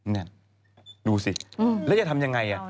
นี่ดูสิแล้วจะทำยังไง